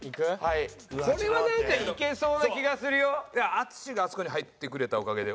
淳があそこに入ってくれたおかげで。